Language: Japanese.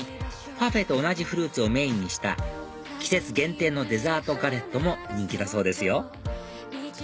パフェと同じフルーツをメインにした季節限定のデザートガレットも人気だそうですよ